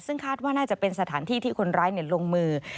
ซึ่งคาดว่าน่าจะเป็นสถานที่ที่คนร้ายลงมือ